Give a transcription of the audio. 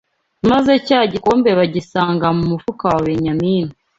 maze cya gikombe bagisanga mu mufuka wa Benyamini